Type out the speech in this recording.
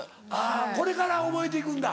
これから覚えて行くんだ。